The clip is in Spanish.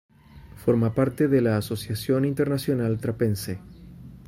Forma parte de la Asociación Internacional Trapense.